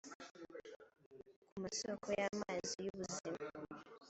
ku masoko y’amazi y’ubuzima